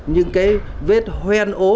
những cái vết hoen ố